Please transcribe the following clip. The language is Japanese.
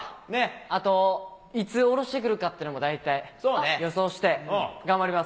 あといつ下ろしてくるかっていうのも大体予想して頑張ります。